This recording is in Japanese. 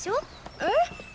えっ？